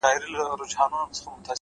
• ورته پاته په میراث وو له نیکونو ,